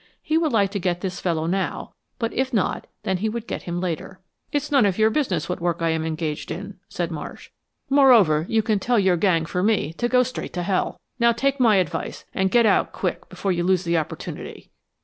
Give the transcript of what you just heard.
He would like to get this fellow now, but if not, then he would get him later. "It is none of your business what work I am engaged in," said Marsh. "Moreover, you can tell your gang for me to go straight to hell. Now, take my advice and get out quick before you lose the opportunity."